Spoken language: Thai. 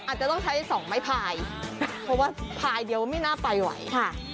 อาจจะต้องใช้สองไม้พายเพราะว่าพายเดียวไม่น่าไปไหวค่ะ